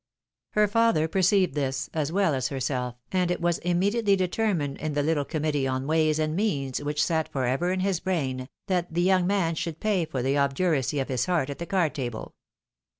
Her father perceived this, as weU as herself, and it was imniediately determined in the little committee on ways and means which sat for ever in his brain, that the young man should pay for the obduracy of his heart at the card table.